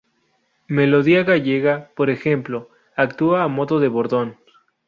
Melodía gallega" por ejemplo, actúa a modo de bordón.